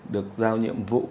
được giao nhiệm vụ